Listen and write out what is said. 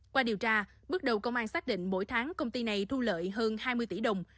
qua điều tra bước đầu công an xác định mỗi tháng công ty này thu lợi hơn hai mươi tỷ đồng